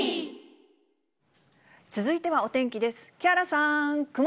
続いてはお天気です。